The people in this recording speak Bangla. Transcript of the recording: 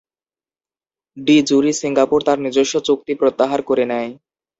ডি জুরি, সিঙ্গাপুর তার নিজস্ব চুক্তি প্রত্যাহার করে নেয়।